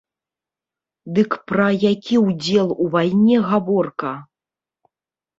Дык пра які ўдзел у вайне гаворка?